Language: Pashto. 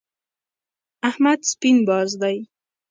احمد سپين باز دی.